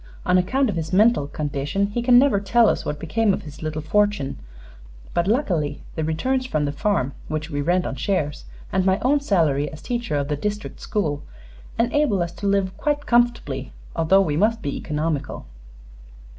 On account of his mental condition he can never tell us what became of his little fortune; but luckily the returns from the farm, which we rent on shares, and my own salary as teacher of the district school, enable us to live quite comfortably, although we must be economical."